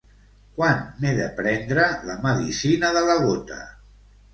Quan m'he de prendre la medicina de la gota?